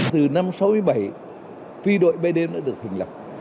từ năm một nghìn chín trăm sáu mươi bảy phi đội bay đêm đã được hình lập